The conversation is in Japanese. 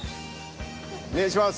お願いします。